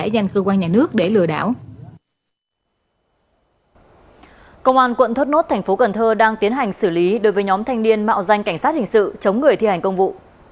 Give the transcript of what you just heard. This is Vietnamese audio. thốt nốt thành phố cần thơ đang tiến hành xử lý đối với nhóm thanh niên mạo danh cảnh sát hình sự chống người thi hành công vụ